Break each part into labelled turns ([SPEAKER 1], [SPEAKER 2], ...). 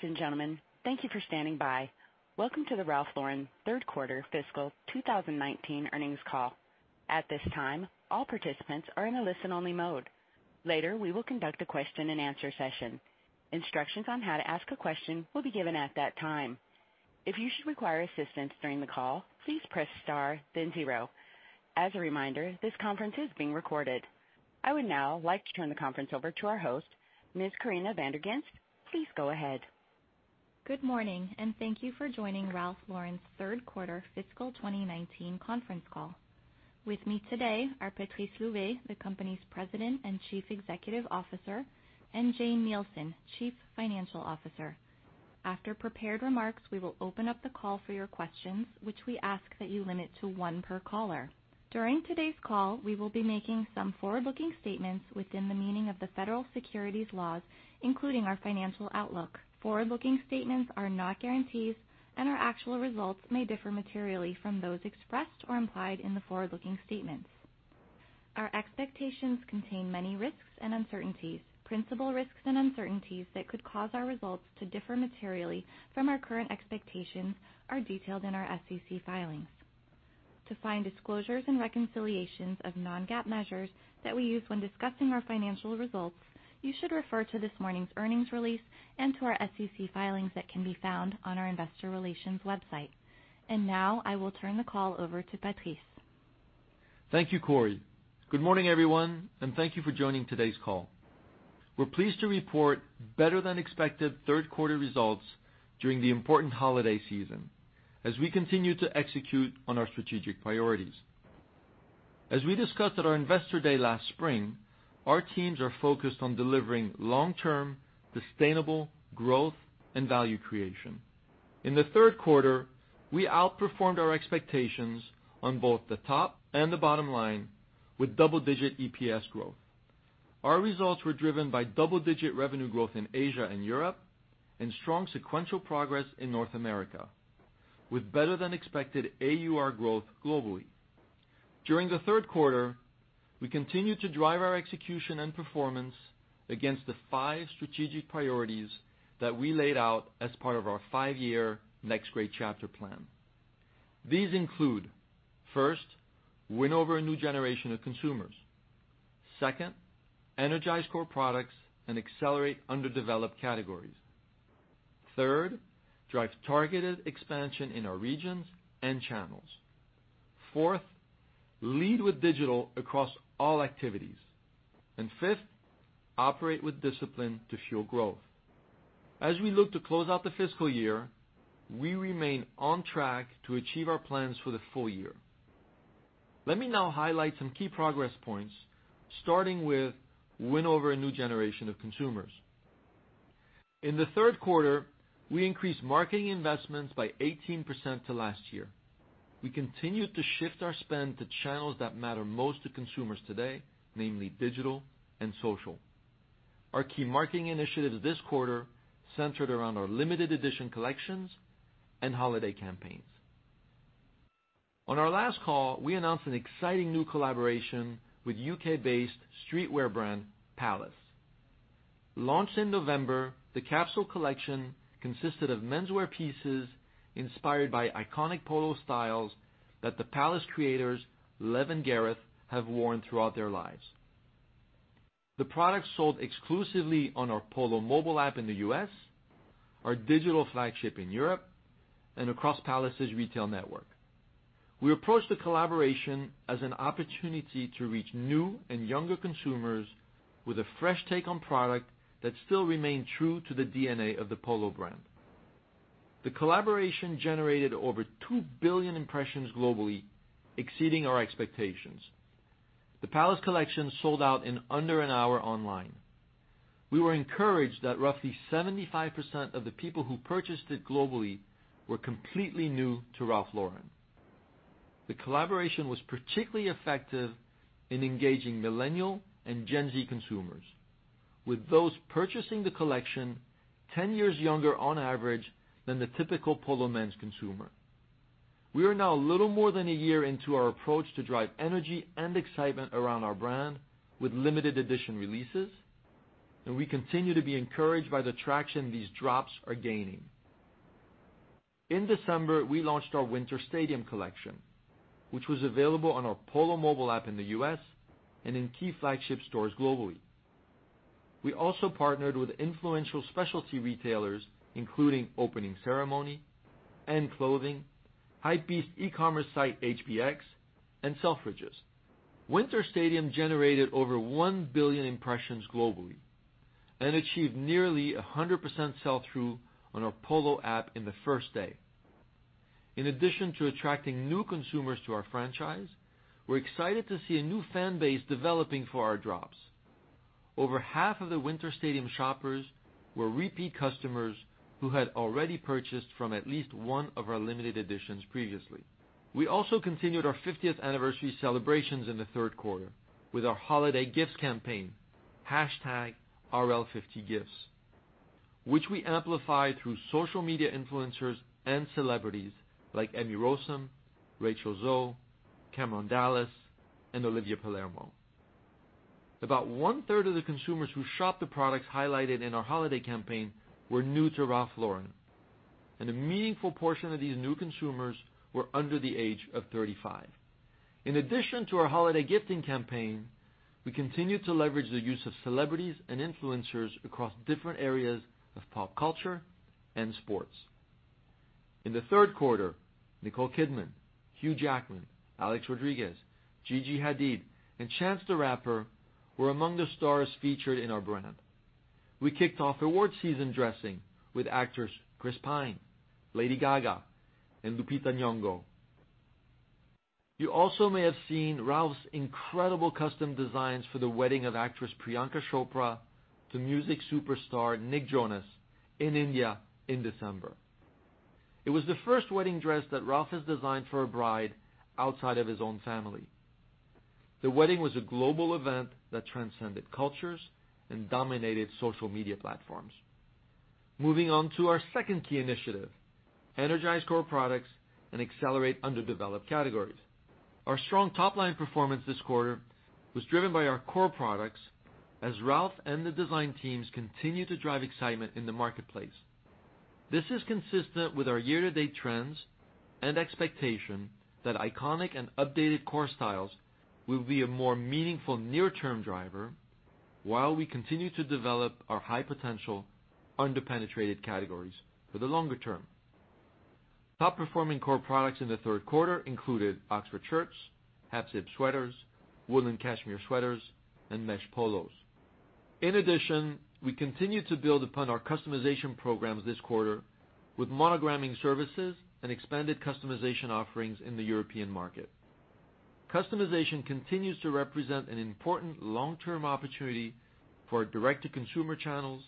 [SPEAKER 1] Ladies and gentlemen, thank you for standing by. Welcome to the Ralph Lauren third quarter fiscal 2019 earnings call. At this time, all participants are in a listen-only mode. Later, we will conduct a question and answer session. Instructions on how to ask a question will be given at that time. If you should require assistance during the call, please press star then zero. As a reminder, this conference is being recorded. I would now like to turn the conference over to our host, Ms. Corinna Van der Ghinst. Please go ahead.
[SPEAKER 2] Good morning. Thank you for joining Ralph Lauren's third quarter fiscal 2019 conference call. With me today are Patrice Louvet, the company's President and Chief Executive Officer, and Jane Nielsen, Chief Financial Officer. After prepared remarks, we will open up the call for your questions, which we ask that you limit to one per caller. During today's call, we will be making some forward-looking statements within the meaning of the Federal Securities Laws, including our financial outlook. Forward-looking statements are not guarantees, and our actual results may differ materially from those expressed or implied in the forward-looking statements. Our expectations contain many risks and uncertainties. Principal risks and uncertainties that could cause our results to differ materially from our current expectations are detailed in our SEC filings. To find disclosures and reconciliations of Non-GAAP measures that we use when discussing our financial results, you should refer to this morning's earnings release and to our SEC filings that can be found on our investor relations website. Now I will turn the call over to Patrice.
[SPEAKER 3] Thank you, Corry. Good morning, everyone. Thank you for joining today's call. We're pleased to report better than expected third quarter results during the important holiday season as we continue to execute on our strategic priorities. As we discussed at our investor day last spring, our teams are focused on delivering long-term, sustainable growth and value creation. In the third quarter, we outperformed our expectations on both the top and the bottom line with double-digit EPS growth. Our results were driven by double-digit revenue growth in Asia and Europe and strong sequential progress in North America, with better than expected AUR growth globally. During the third quarter, we continued to drive our execution and performance against the five strategic priorities that we laid out as part of our five-year Next Great Chapter plan. These include, first, win over a new generation of consumers. Second, energize core products and accelerate underdeveloped categories. Third, drive targeted expansion in our regions and channels. Fifth, operate with discipline to fuel growth. As we look to close out the fiscal year, we remain on track to achieve our plans for the full year. Let me now highlight some key progress points, starting with win over a new generation of consumers. In the third quarter, we increased marketing investments by 18% to last year. We continued to shift our spend to channels that matter most to consumers today, namely digital and social. Our key marketing initiatives this quarter centered around our limited edition collections and holiday campaigns. On our last call, we announced an exciting new collaboration with U.K.-based streetwear brand, Palace. Launched in November, the capsule collection consisted of menswear pieces inspired by iconic Polo styles that the Palace creators, Lev and Gareth, have worn throughout their lives. The products sold exclusively on our Polo mobile app in the U.S., our digital flagship in Europe, and across Palace's retail network. We approached the collaboration as an opportunity to reach new and younger consumers with a fresh take on product that still remained true to the DNA of the Polo brand. The collaboration generated over two billion impressions globally, exceeding our expectations. The Palace collection sold out in under an hour online. We were encouraged that roughly 75% of the people who purchased it globally were completely new to Ralph Lauren. The collaboration was particularly effective in engaging Millennial and Gen Z consumers. With those purchasing the collection, 10 years younger on average than the typical Polo men's consumer. We are now a little more than a year into our approach to drive energy and excitement around our brand with limited edition releases, and we continue to be encouraged by the traction these drops are gaining. In December, we launched our Winter Stadium collection, which was available on our Polo mobile app in the U.S. and in key flagship stores globally. We also partnered with influential specialty retailers, including Opening Ceremony, END. Clothing, Hypebeast e-commerce site, HBX, and Selfridges. Winter Stadium generated over 1 billion impressions globally and achieved nearly 100% sell-through on our Polo app in the first day. In addition to attracting new consumers to our franchise, we're excited to see a new fan base developing for our drops. Over half of the Winter Stadium shoppers were repeat customers who had already purchased from at least one of our limited editions previously. We also continued our 50th anniversary celebrations in the third quarter with our holiday gifts campaign, #RL50Gifts, which we amplified through social media influencers and celebrities like Emmy Rossum, Rachel Zoe, Cameron Dallas, and Olivia Palermo. About one-third of the consumers who shopped the products highlighted in our holiday campaign were new to Ralph Lauren, and a meaningful portion of these new consumers were under the age of 35. In addition to our holiday gifting campaign, we continued to leverage the use of celebrities and influencers across different areas of pop culture and sports. In the third quarter, Nicole Kidman, Hugh Jackman, Alex Rodriguez, Gigi Hadid, and Chance the Rapper were among the stars featured in our brand. We kicked off awards season dressing with actors Chris Pine, Lady Gaga, and Lupita Nyong'o. You also may have seen Ralph's incredible custom designs for the wedding of actress Priyanka Chopra to music superstar Nick Jonas in India in December. It was the first wedding dress that Ralph has designed for a bride outside of his own family. The wedding was a global event that transcended cultures and dominated social media platforms. Moving on to our second key initiative, Energize Core Products and Accelerate Underdeveloped Categories. Our strong top-line performance this quarter was driven by our core products as Ralph and the design teams continue to drive excitement in the marketplace. This is consistent with our year-to-date trends and expectation that iconic and updated core styles will be a more meaningful near-term driver while we continue to develop our high-potential under-penetrated categories for the longer term. Top-performing core products in the third quarter included Oxford shirts, half-zip sweaters, wool and cashmere sweaters, and mesh polos. In addition, we continued to build upon our customization programs this quarter with monogramming services and expanded customization offerings in the European market. Customization continues to represent an important long-term opportunity for our direct-to-consumer channels,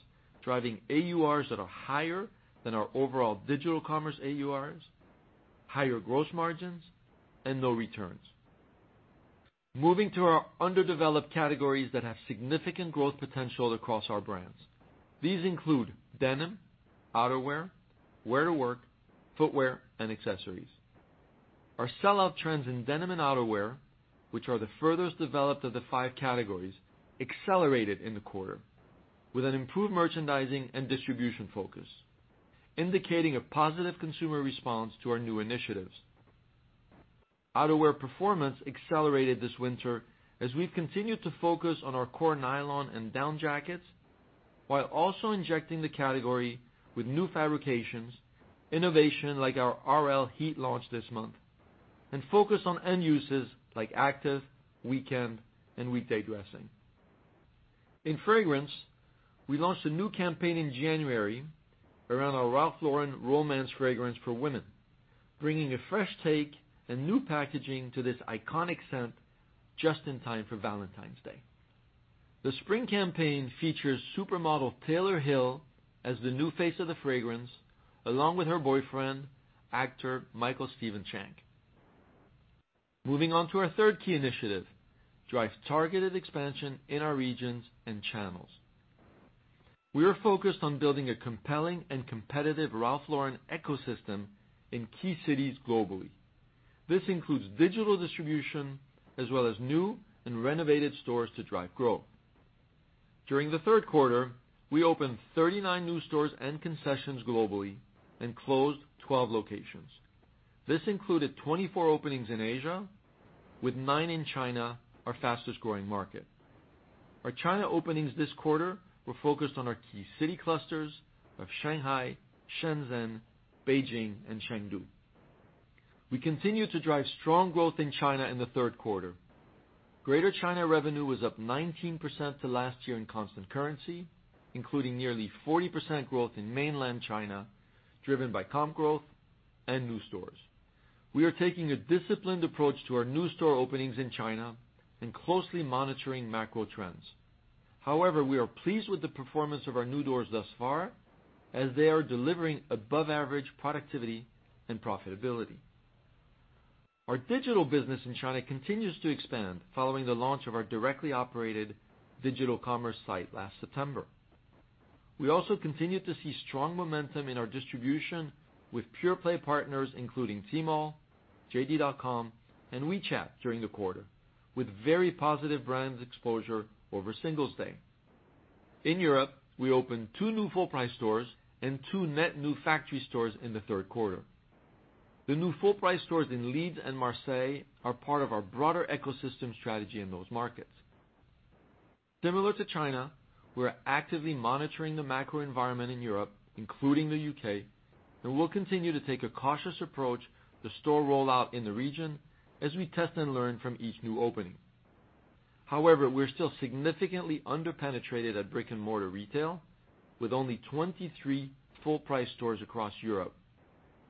[SPEAKER 3] driving AURs that are higher than our overall digital commerce AURs, higher gross margins, and no returns. Moving to our underdeveloped categories that have significant growth potential across our brands. These include denim, outerwear, wear to work, footwear, and accessories. Our sell-out trends in denim and outerwear, which are the furthest developed of the five categories, accelerated in the quarter, with an improved merchandising and distribution focus, indicating a positive consumer response to our new initiatives. Outerwear performance accelerated this winter as we've continued to focus on our core nylon and down jackets while also injecting the category with new fabrications, innovation like our RL Heat launch this month, and focus on end uses like active, weekend, and weekday dressing. In fragrance, we launched a new campaign in January around our Ralph Lauren Romance fragrance for women, bringing a fresh take and new packaging to this iconic scent just in time for Valentine's Day. The spring campaign features supermodel Taylor Hill as the new face of the fragrance, along with her boyfriend, actor Michael Stephen Shank. Moving on to our third key initiative, Drive Targeted Expansion in Our Regions and Channels. We are focused on building a compelling and competitive Ralph Lauren ecosystem in key cities globally. This includes digital distribution as well as new and renovated stores to drive growth. During the third quarter, we opened 39 new stores and concessions globally and closed 12 locations. This included 24 openings in Asia, with nine in China, our fastest-growing market. Our China openings this quarter were focused on our key city clusters of Shanghai, Shenzhen, Beijing, and Chengdu. We continued to drive strong growth in China in the third quarter. Greater China revenue was up 19% to last year in constant currency, including nearly 40% growth in mainland China, driven by comp growth and new stores. We are taking a disciplined approach to our new store openings in China and closely monitoring macro trends. However, we are pleased with the performance of our new doors thus far, as they are delivering above-average productivity and profitability. Our digital business in China continues to expand following the launch of our directly operated digital commerce site last September. We also continued to see strong momentum in our distribution with pure-play partners including Tmall, JD.com, and WeChat during the quarter, with very positive brands exposure over Singles Day. In Europe, we opened two new full-price stores and two net new factory stores in the third quarter. The new full-price stores in Leeds and Marseille are part of our broader ecosystem strategy in those markets. Similar to China, we're actively monitoring the macro environment in Europe, including the U.K., and we'll continue to take a cautious approach to store rollout in the region as we test and learn from each new opening. However, we're still significantly under-penetrated at brick-and-mortar retail, with only 23 full-price stores across Europe.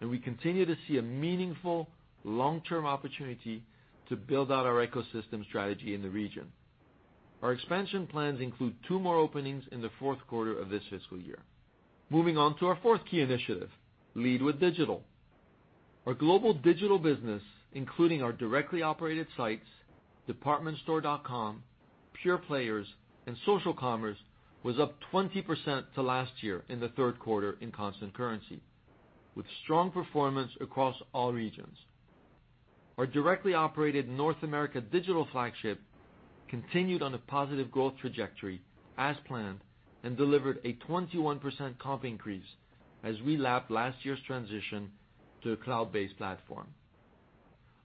[SPEAKER 3] We continue to see a meaningful long-term opportunity to build out our ecosystem strategy in the region. Our expansion plans include two more openings in the fourth quarter of this fiscal year. Moving on to our fourth key initiative, lead with digital. Our global digital business, including our directly operated sites, departmentstore.com, pure players, and social commerce, was up 20% to last year in the third quarter in constant currency, with strong performance across all regions. Our directly operated North America digital flagship continued on a positive growth trajectory as planned and delivered a 21% comp increase as we lapped last year's transition to a cloud-based platform.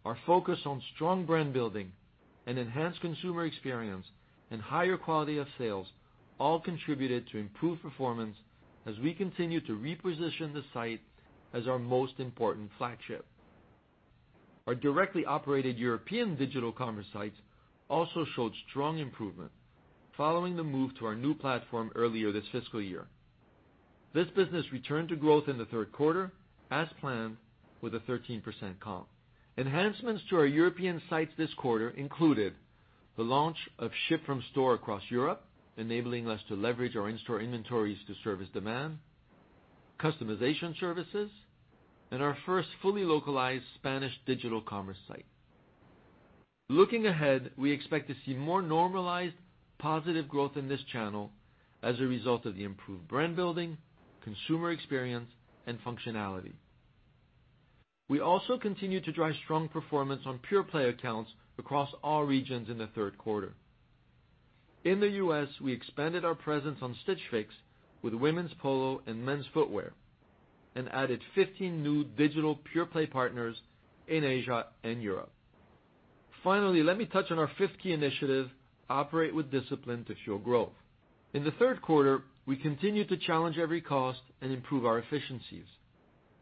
[SPEAKER 3] Our focus on strong brand building and enhanced consumer experience and higher quality of sales all contributed to improved performance as we continue to reposition the site as our most important flagship. Our directly operated European digital commerce sites also showed strong improvement following the move to our new platform earlier this fiscal year. This business returned to growth in the third quarter as planned with a 13% comp. Enhancements to our European sites this quarter included the launch of ship from store across Europe, enabling us to leverage our in-store inventories to service demand, customization services, and our first fully localized Spanish digital commerce site. Looking ahead, we expect to see more normalized positive growth in this channel as a result of the improved brand building, consumer experience, and functionality. We also continue to drive strong performance on pure-play accounts across all regions in the third quarter. In the U.S., we expanded our presence on Stitch Fix with women's Polo and men's footwear and added 15 new digital pure-play partners in Asia and Europe. Finally, let me touch on our fifth key initiative, operate with discipline to fuel growth. In the third quarter, we continued to challenge every cost and improve our efficiencies.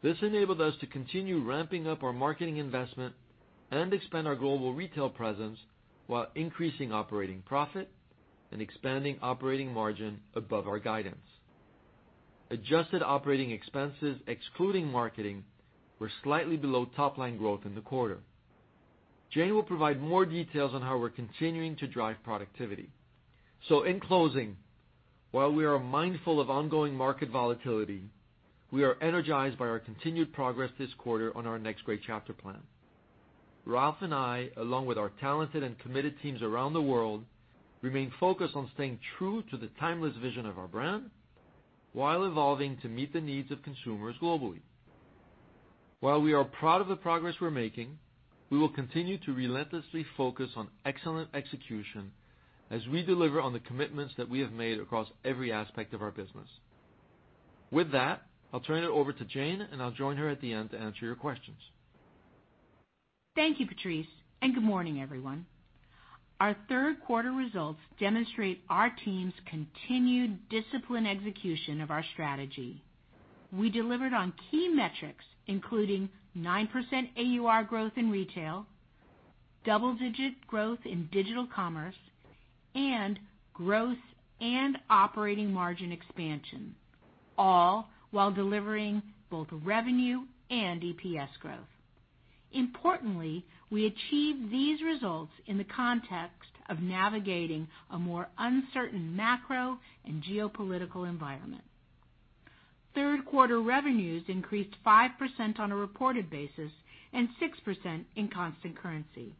[SPEAKER 3] This enabled us to continue ramping up our marketing investment and expand our global retail presence while increasing operating profit and expanding operating margin above our guidance. Adjusted operating expenses, excluding marketing, were slightly below top-line growth in the quarter. Jane will provide more details on how we're continuing to drive productivity. In closing, while we are mindful of ongoing market volatility, we are energized by our continued progress this quarter on our Next Great Chapter plan. Ralph and I, along with our talented and committed teams around the world, remain focused on staying true to the timeless vision of our brand while evolving to meet the needs of consumers globally. While we are proud of the progress we're making, we will continue to relentlessly focus on excellent execution as we deliver on the commitments that we have made across every aspect of our business. With that, I'll turn it over to Jane, and I'll join her at the end to answer your questions.
[SPEAKER 4] Thank you, Patrice, good morning, everyone. Our third quarter results demonstrate our team's continued disciplined execution of our strategy. We delivered on key metrics, including 9% AUR growth in retail, double-digit growth in digital commerce, and growth and operating margin expansion, all while delivering both revenue and EPS growth. Importantly, we achieved these results in the context of navigating a more uncertain macro and geopolitical environment. Third quarter revenues increased 5% on a reported basis and 6% in constant currency.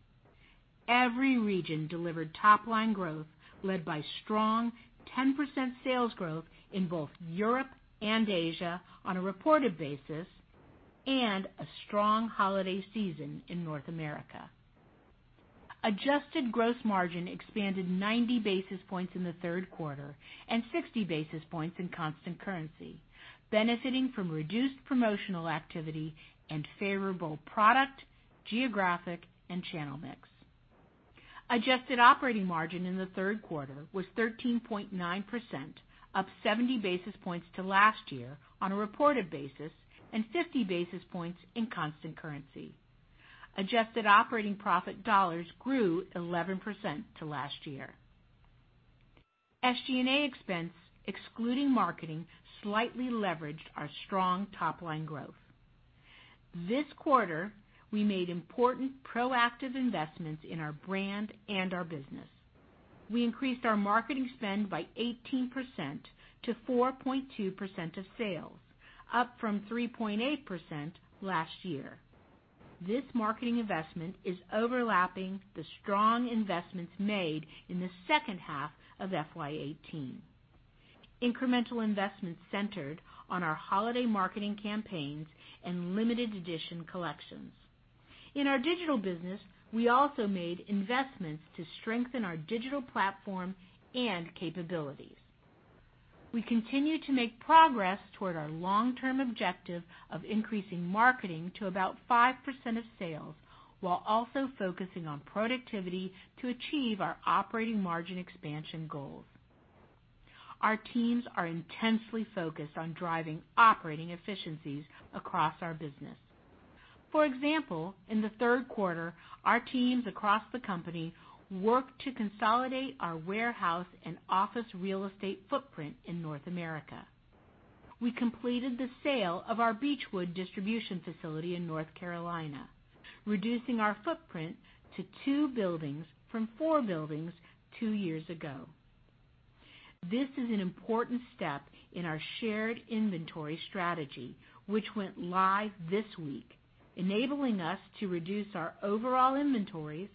[SPEAKER 4] Every region delivered top-line growth led by strong 10% sales growth in both Europe and Asia on a reported basis, and a strong holiday season in North America. Adjusted gross margin expanded 90 basis points in the third quarter and 60 basis points in constant currency, benefiting from reduced promotional activity and favorable product, geographic, and channel mix. Adjusted operating margin in the third quarter was 13.9%, up 70 basis points to last year on a reported basis and 50 basis points in constant currency. Adjusted operating profit dollars grew 11% to last year. SG&A expense, excluding marketing, slightly leveraged our strong top-line growth. This quarter, we made important proactive investments in our brand and our business. We increased our marketing spend by 18%-4.2% of sales, up from 3.8% last year. This marketing investment is overlapping the strong investments made in the second half of FY 2018. Incremental investments centered on our holiday marketing campaigns and limited edition collections. In our digital business, we also made investments to strengthen our digital platform and capabilities. We continue to make progress toward our long-term objective of increasing marketing to about 5% of sales, while also focusing on productivity to achieve our operating margin expansion goals. Our teams are intensely focused on driving operating efficiencies across our business. For example, in the third quarter, our teams across the company worked to consolidate our warehouse and office real estate footprint in North America. We completed the sale of our Beechwood distribution facility in North Carolina, reducing our footprint to two buildings from four buildings two years ago. This is an important step in our shared inventory strategy, which went live this week, enabling us to reduce our overall inventories,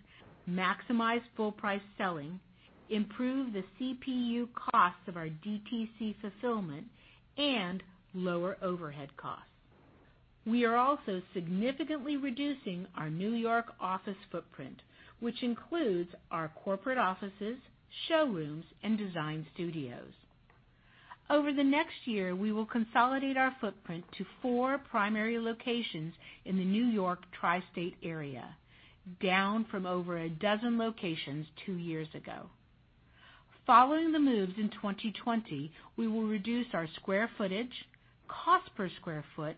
[SPEAKER 4] maximize full price selling, improve the CPU costs of our DTC fulfillment and lower overhead costs. We are also significantly reducing our New York office footprint, which includes our corporate offices, showrooms, and design studios. Over the next year, we will consolidate our footprint to four primary locations in the New York tri-state area, down from over a dozen locations two years ago. Following the moves in 2020, we will reduce our square footage, cost per square foot,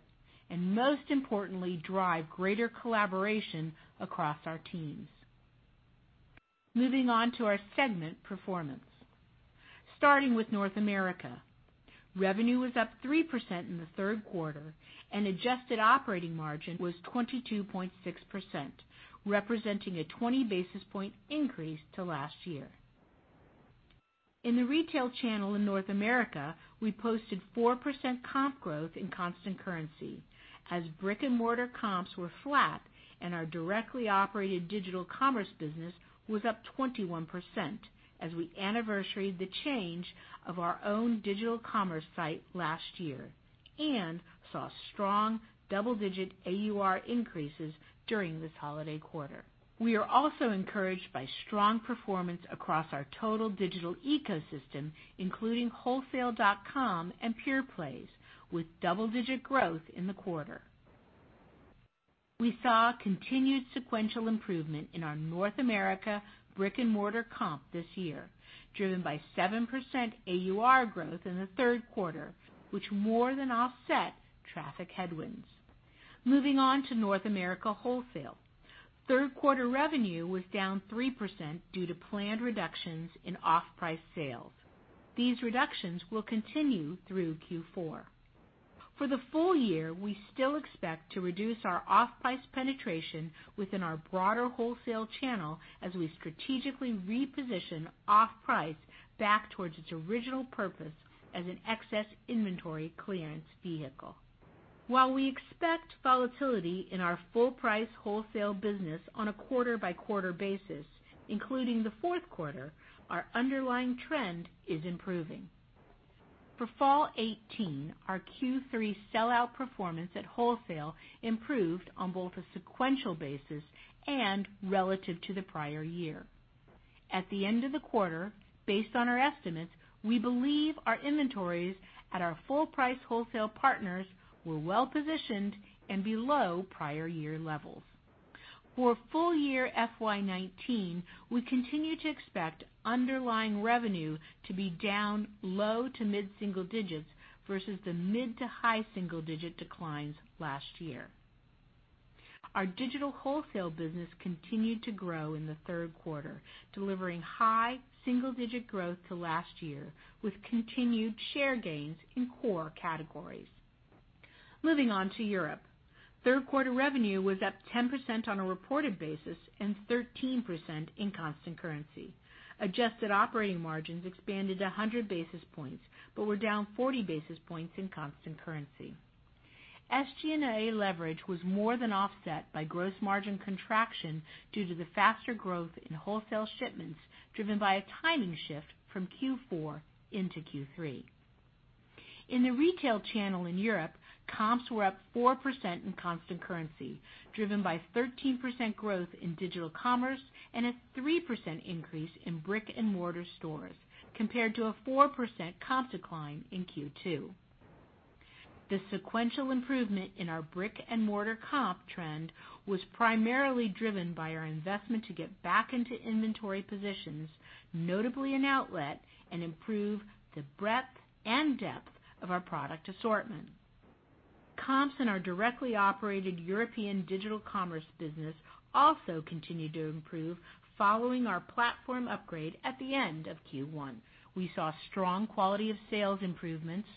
[SPEAKER 4] and most importantly, drive greater collaboration across our teams. Moving on to our segment performance. Starting with North America. Revenue was up 3% in the third quarter, and adjusted operating margin was 22.6%, representing a 20 basis point increase to last year. In the retail channel in North America, we posted 4% comp growth in constant currency, as brick-and-mortar comps were flat and our directly operated digital commerce business was up 21%, as we anniversaried the change of our own digital commerce site last year and saw strong double-digit AUR increases during this holiday quarter. We are also encouraged by strong performance across our total digital ecosystem, including wholesale.com and PurePlays, with double-digit growth in the quarter. We saw continued sequential improvement in our North America brick-and-mortar comp this year, driven by 7% AUR growth in the third quarter, which more than offset traffic headwinds. Moving on to North America wholesale. Third-quarter revenue was down 3% due to planned reductions in off-price sales. These reductions will continue through Q4. For the full year, we still expect to reduce our off-price penetration within our broader wholesale channel as we strategically reposition off-price back towards its original purpose as an excess inventory clearance vehicle. While we expect volatility in our full-price wholesale business on a quarter-by-quarter basis, including the fourth quarter, our underlying trend is improving. For fall 2018, our Q3 sellout performance at wholesale improved on both a sequential basis and relative to the prior year. At the end of the quarter, based on our estimates, we believe our inventories at our full-price wholesale partners were well-positioned and below prior year levels. For full-year FY 2019, we continue to expect underlying revenue to be down low to mid-single digits versus the mid to high single-digit declines last year. Our digital wholesale business continued to grow in the third quarter, delivering high single-digit growth to last year with continued share gains in core categories. Moving on to Europe. Third-quarter revenue was up 10% on a reported basis and 13% in constant currency. Adjusted operating margins expanded 100 basis points but were down 40 basis points in constant currency. SG&A leverage was more than offset by gross margin contraction due to the faster growth in wholesale shipments driven by a timing shift from Q4 into Q3. In the retail channel in Europe, comps were up 4% in constant currency, driven by 13% growth in digital commerce and a 3% increase in brick-and-mortar stores compared to a 4% comp decline in Q2. The sequential improvement in our brick-and-mortar comp trend was primarily driven by our investment to get back into inventory positions, notably in outlet, and improve the breadth and depth of our product assortment. Comps in our directly operated European digital commerce business also continued to improve following our platform upgrade at the end of Q1. We saw strong quality of sales improvements,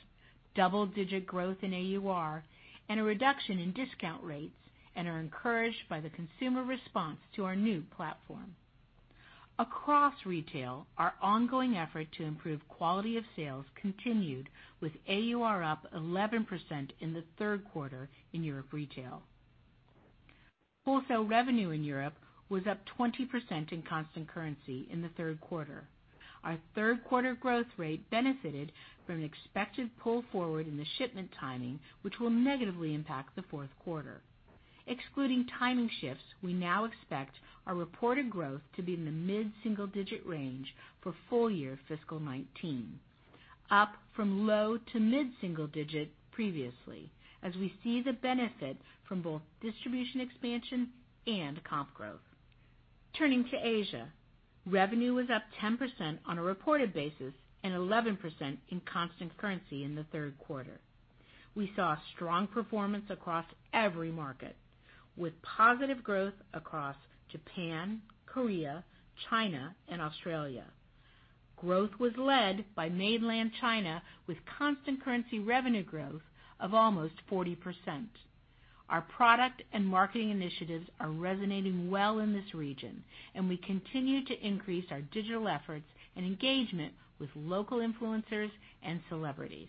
[SPEAKER 4] double-digit growth in AUR, and a reduction in discount rates, and are encouraged by the consumer response to our new platform. Across retail, our ongoing effort to improve quality of sales continued with AUR up 11% in the third quarter in Europe retail. Wholesale revenue in Europe was up 20% in constant currency in the third quarter. Our third quarter growth rate benefited from an expected pull forward in the shipment timing, which will negatively impact the fourth quarter. Excluding timing shifts, we now expect our reported growth to be in the mid-single-digit range for full-year FY 2019, up from low to mid-single digit previously, as we see the benefit from both distribution expansion and comp growth. Turning to Asia. Revenue was up 10% on a reported basis and 11% in constant currency in the third quarter. We saw strong performance across every market, with positive growth across Japan, Korea, China, and Australia. Growth was led by mainland China, with constant currency revenue growth of almost 40%. Our product and marketing initiatives are resonating well in this region. We continue to increase our digital efforts and engagement with local influencers and celebrities.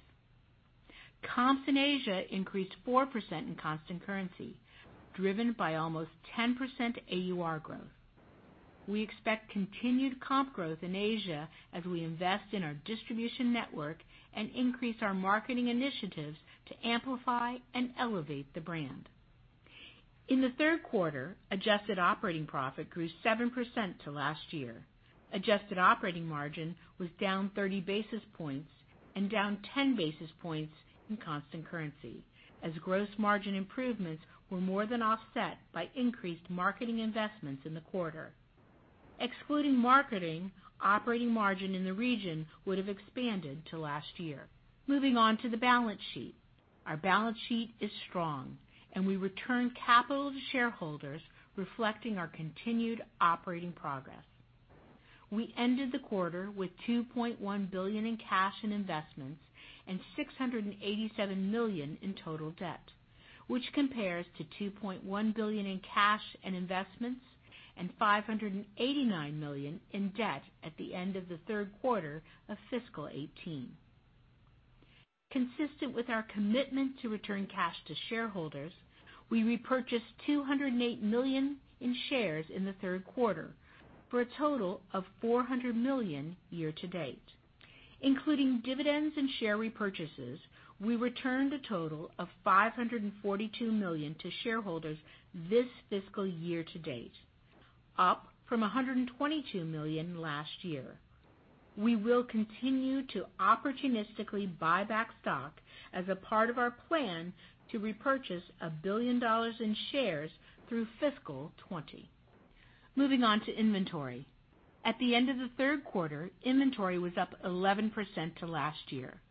[SPEAKER 4] Comps in Asia increased 4% in constant currency, driven by almost 10% AUR growth. We expect continued comp growth in Asia as we invest in our distribution network and increase our marketing initiatives to amplify and elevate the brand. In the third quarter, adjusted operating profit grew 7% to last year. Adjusted operating margin was down 30 basis points and down 10 basis points in constant currency, as gross margin improvements were more than offset by increased marketing investments in the quarter. Excluding marketing, operating margin in the region would have expanded to last year. Moving on to the balance sheet. Our balance sheet is strong. We return capital to shareholders, reflecting our continued operating progress. We ended the quarter with $2.1 billion in cash and investments and $687 million in total debt, which compares to $2.1 billion in cash and investments and $589 million in debt at the end of the third quarter of FY 2018. Consistent with our commitment to return cash to shareholders, we repurchased $208 million in shares in the third quarter for a total of $400 million year to date. Including dividends and share repurchases, we returned a total of $542 million to shareholders this fiscal year to date, up from $122 million last year. We will continue to opportunistically buy back stock as a part of our plan to repurchase $1 billion in shares through FY 2020. Moving on to inventory. At the end of the third quarter, inventory was up 11% to last year,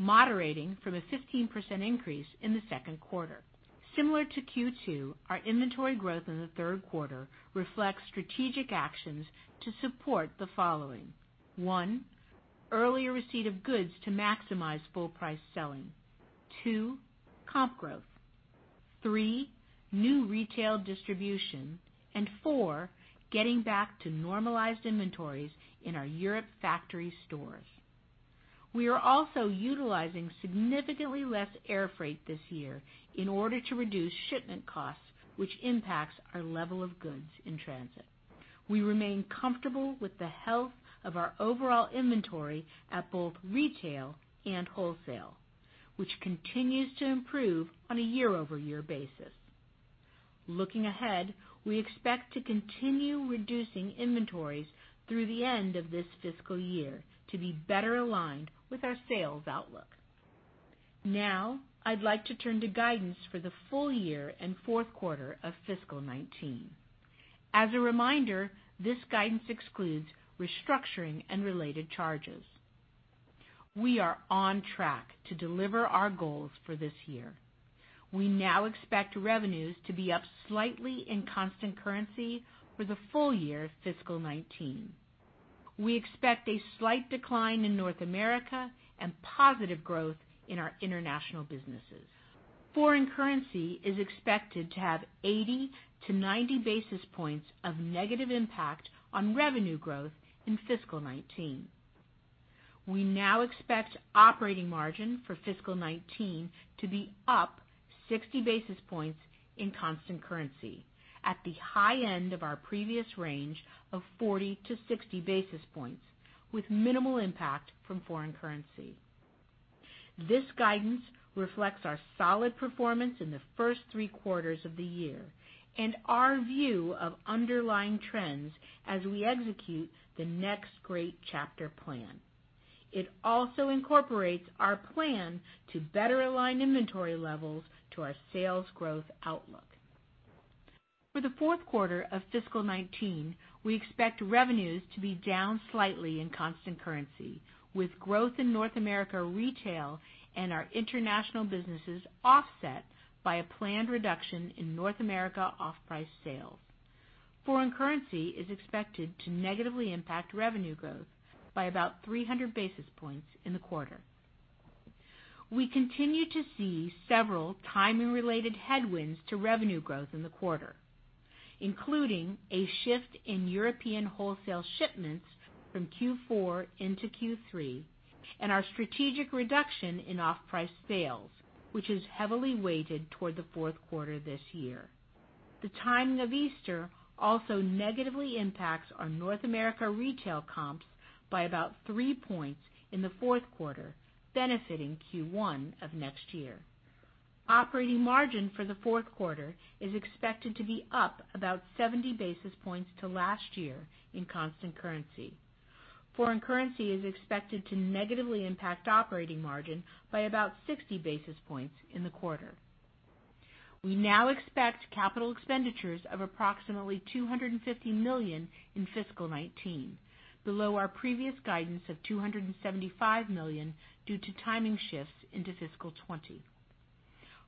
[SPEAKER 4] moderating from a 15% increase in the second quarter. Similar to Q2, our inventory growth in the third quarter reflects strategic actions to support the following. One. Earlier receipt of goods to maximize full price selling. Two. Comp growth. Three. New retail distribution. Four. Getting back to normalized inventories in our Europe factory stores. We are also utilizing significantly less air freight this year in order to reduce shipment costs, which impacts our level of goods in transit. We remain comfortable with the health of our overall inventory at both retail and wholesale, which continues to improve on a year-over-year basis. Looking ahead, we expect to continue reducing inventories through the end of this fiscal year to be better aligned with our sales outlook. Now, I'd like to turn to guidance for the full year and fourth quarter of FY 2019. As a reminder, this guidance excludes restructuring and related charges. We are on track to deliver our goals for this year. We now expect revenues to be up slightly in constant currency for the full year fiscal 2019. We expect a slight decline in North America and positive growth in our international businesses. Foreign currency is expected to have 80 basis points-90 basis points of negative impact on revenue growth in fiscal 2019. We now expect operating margin for fiscal 2019 to be up 60 basis points in constant currency at the high end of our previous range of 40 basis points-60 basis points with minimal impact from foreign currency. This guidance reflects our solid performance in the first three quarters of the year and our view of underlying trends as we execute the Next Great Chapter plan. It also incorporates our plan to better align inventory levels to our sales growth outlook. For the fourth quarter of fiscal 2019, we expect revenues to be down slightly in constant currency, with growth in North America retail and our international businesses offset by a planned reduction in North America off-price sales. Foreign currency is expected to negatively impact revenue growth by about 300 basis points in the quarter. We continue to see several timing-related headwinds to revenue growth in the quarter, including a shift in European wholesale shipments from Q4 into Q3 and our strategic reduction in off-price sales, which is heavily weighted toward the fourth quarter this year. The timing of Easter also negatively impacts our North America retail comps by about three points in the fourth quarter, benefiting Q1 of next year. Operating margin for the fourth quarter is expected to be up about 70 basis points to last year in constant currency. Foreign currency is expected to negatively impact operating margin by about 60 basis points in the quarter. We now expect capital expenditures of approximately $250 million in fiscal 2019, below our previous guidance of $275 million due to timing shifts into fiscal 2020.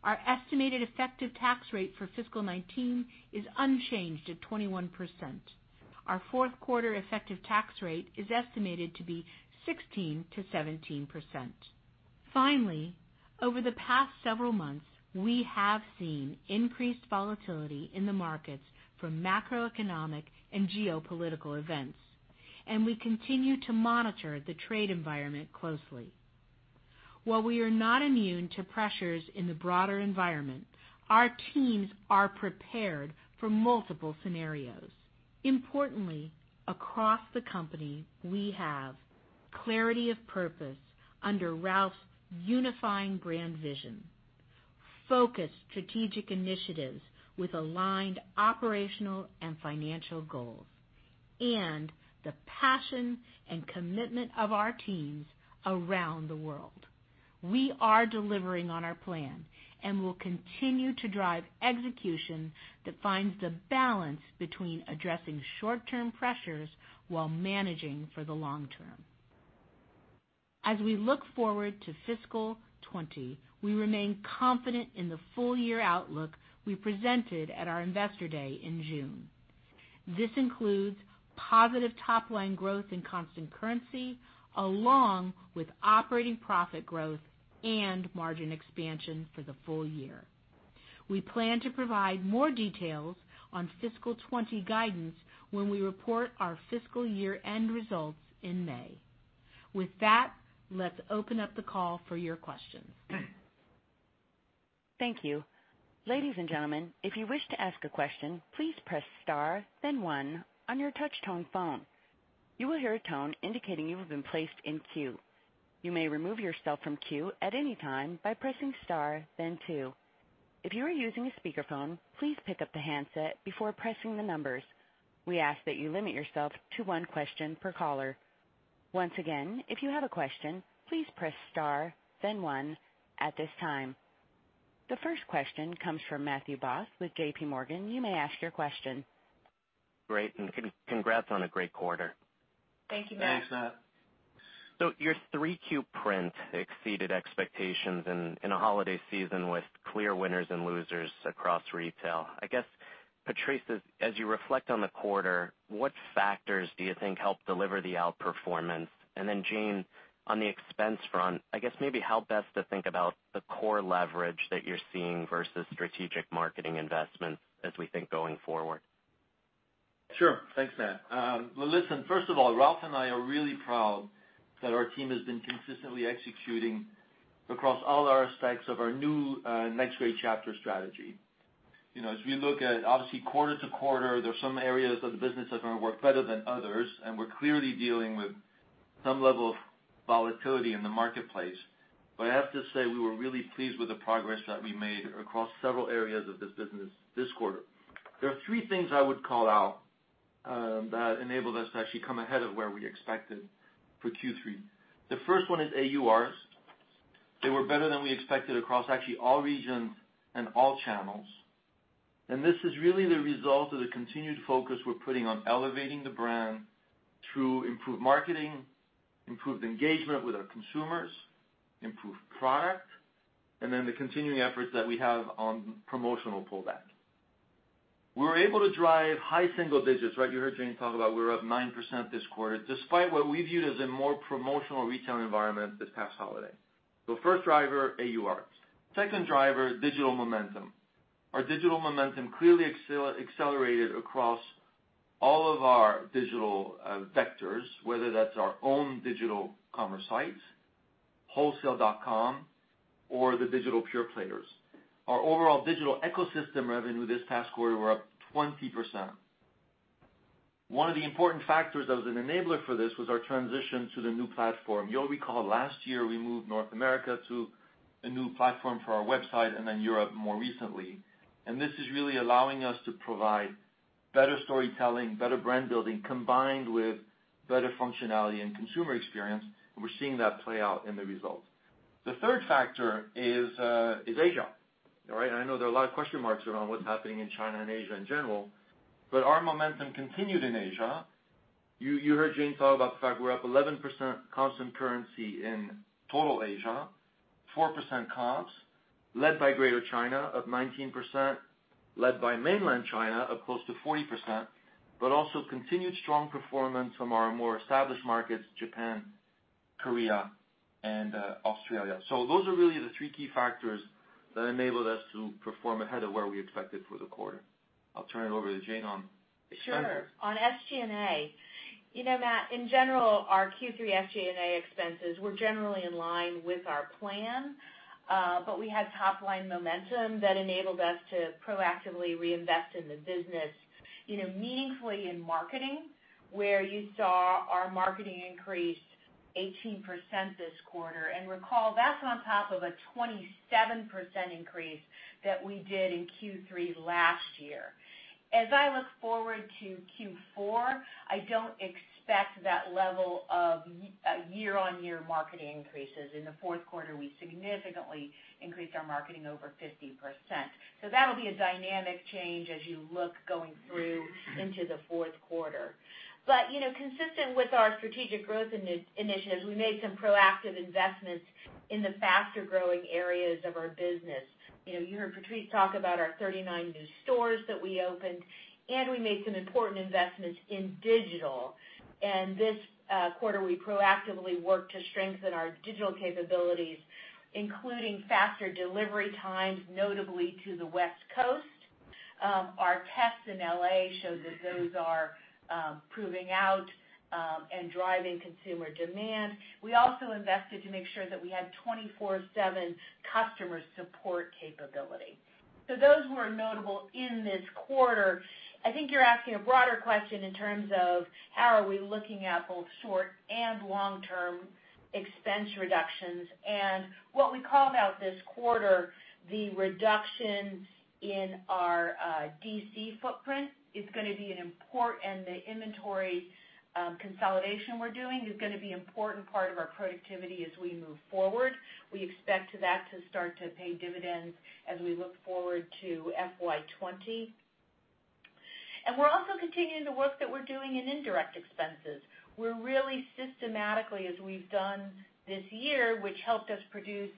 [SPEAKER 4] Our estimated effective tax rate for fiscal 2019 is unchanged at 21%. Our fourth quarter effective tax rate is estimated to be 16%-17%. Finally, over the past several months, we have seen increased volatility in the markets from macroeconomic and geopolitical events. We continue to monitor the trade environment closely. While we are not immune to pressures in the broader environment, our teams are prepared for multiple scenarios. Importantly, across the company, we have clarity of purpose under Ralph's unifying brand vision, focused strategic initiatives with aligned operational and financial goals, and the passion and commitment of our teams around the world. We are delivering on our plan and will continue to drive execution that finds the balance between addressing short-term pressures while managing for the long term. As we look forward to fiscal 2020, we remain confident in the full-year outlook we presented at our Investor Day in June. This includes positive top-line growth in constant currency, along with operating profit growth and margin expansion for the full year. We plan to provide more details on fiscal 2020 guidance when we report our fiscal year-end results in May. With that, let's open up the call for your questions.
[SPEAKER 1] Thank you. Ladies and gentlemen, if you wish to ask a question, please press star then one on your touch-tone phone. You will hear a tone indicating you have been placed in queue. You may remove yourself from queue at any time by pressing star then two. If you are using a speakerphone, please pick up the handset before pressing the numbers. We ask that you limit yourself to one question per caller. Once again, if you have a question, please press star then one at this time. The first question comes from Matthew Boss with JPMorgan. You may ask your question.
[SPEAKER 5] Great, congrats on a great quarter.
[SPEAKER 4] Thank you, Matthew.
[SPEAKER 3] Thanks, Matthew.
[SPEAKER 5] Your 3Q print exceeded expectations in a holiday season with clear winners and losers across retail. I guess, Patrice, as you reflect on the quarter, what factors do you think helped deliver the outperformance? Jane, on the expense front, I guess maybe how best to think about the core leverage that you're seeing versus strategic marketing investments as we think going forward.
[SPEAKER 3] Sure. Thanks, Matt. Well, listen, first of all, Ralph and I are really proud that our team has been consistently executing across all our aspects of our new Next Great Chapter strategy. As we look at, obviously, quarter to quarter, there's some areas of the business that are going to work better than others, and we're clearly dealing with some level of volatility in the marketplace. I have to say, we were really pleased with the progress that we made across several areas of this business this quarter. There are three things I would call out that enabled us to actually come ahead of where we expected for Q3. The first one is AURs. They were better than we expected across actually all regions and all channels. This is really the result of the continued focus we're putting on elevating the brand through improved marketing, improved engagement with our consumers, improved product, and then the continuing efforts that we have on promotional pullback. We were able to drive high single digits. You heard Jane talk about we were up 9% this quarter, despite what we viewed as a more promotional retail environment this past holiday. First driver, AUR. Second driver, digital momentum. Our digital momentum clearly accelerated across all of our digital vectors, whether that's our own digital commerce site, wholesale.com, or the digital pure players. Our overall digital ecosystem revenue this past quarter were up 20%. One of the important factors that was an enabler for this was our transition to the new platform. You'll recall last year, we moved North America to a new platform for our website, and then Europe more recently. This is really allowing us to provide better storytelling, better brand building, combined with better functionality and consumer experience. We're seeing that play out in the results. The third factor is Asia. I know there are a lot of question marks around what's happening in China and Asia in general. Our momentum continued in Asia. You heard Jane Nielsen talk about the fact we're up 11% constant currency in total Asia, 4% comps, led by Greater China up 19%, led by Mainland China up close to 40%, but also continued strong performance from our more established markets, Japan, Korea, and Australia. Those are really the three key factors that enabled us to perform ahead of where we expected for the quarter. I'll turn it over to Jane Nielsen on expenses.
[SPEAKER 4] Sure. On SG&A. Matthew Boss, in general, our Q3 SG&A expenses were generally in line with our plan. We had top-line momentum that enabled us to proactively reinvest in the business meaningfully in marketing, where you saw our marketing increase 18% this quarter. Recall, that's on top of a 27% increase that we did in Q3 last year. As I look forward to Q4, I don't expect that level of year-on-year marketing increases. In the fourth quarter, we significantly increased our marketing over 50%. That'll be a dynamic change as you look going through into the fourth quarter. Consistent with our strategic growth initiatives, we made some proactive investments in the faster-growing areas of our business. You heard Patrice Louvet talk about our 39 new stores that we opened, and we made some important investments in digital. This quarter, we proactively worked to strengthen our digital capabilities, including faster delivery times, notably to the West Coast. Our tests in L.A. show that those are proving out and driving consumer demand. We also invested to make sure that we had 24/7 customer support capability. Those were notable in this quarter. I think you're asking a broader question in terms of how are we looking at both short- and long-term expense reductions. What we called out this quarter, the reduction in our DC footprint and the inventory consolidation we're doing is going to be an important part of our productivity as we move forward. We expect that to start to pay dividends as we look forward to FY 2020. We're also continuing the work that we're doing in indirect expenses. We're really systematically, as we've done this year, which helped us produce